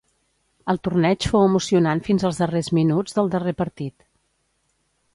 El torneig fou emocionant fins als darrers minuts del darrer partit.